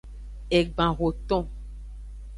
Egban hoton.